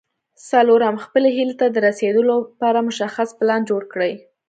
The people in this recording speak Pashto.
څلورم خپلې هيلې ته د رسېدو لپاره مشخص پلان جوړ کړئ.